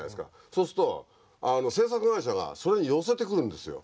そうすると制作会社がそれに寄せてくるんですよ。